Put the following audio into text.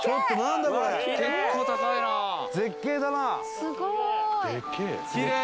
すごーい！